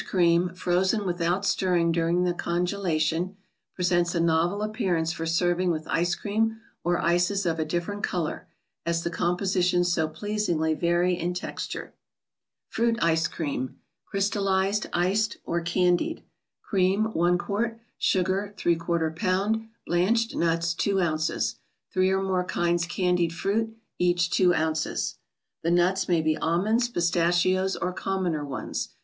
^ r h j e p n ed ~ stirring during the congelation, presents a novel appear¬ ance for serving with ice cream or ices of a different color, as the compositions so pleasingly vary in texture. fruit Ice Cream. (chalked, iced, or c an ^^ died.) Cream, I qt.; Sugar, lb.; Blanched Nuts, 2 oz.; Three or more kinds candied fruit, each 2 oz. The nuts may be almonds, pistachios, or commoner ones.